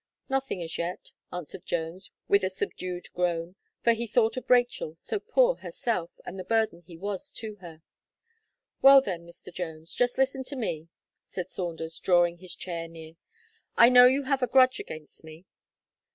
"Nothing as yet," answered Jones with a subdued groan, for he thought of Rachel, so poor herself, and the burden he was to her. "Well then, Mr. Jones; just listen to me!" said Saunders, drawing his chair near, "I know you have a grudge against me."